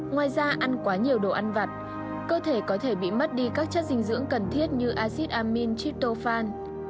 ngoài ra ăn quá nhiều đồ ăn vặt cơ thể có thể bị mất đi các chất dinh dưỡng cần thiết như acid amin chitofan